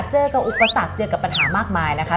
เจอกับอุปสรรคเจอกับปัญหามากมายนะคะ